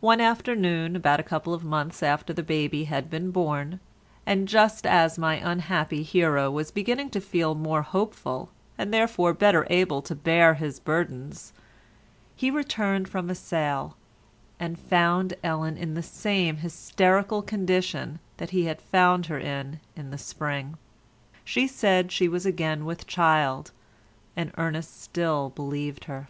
One afternoon, about a couple of months after the baby had been born, and just as my unhappy hero was beginning to feel more hopeful and therefore better able to bear his burdens, he returned from a sale, and found Ellen in the same hysterical condition that he had found her in in the spring. She said she was again with child, and Ernest still believed her.